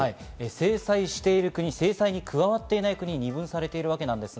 制裁している国、制裁に加わっていない国、二分されています。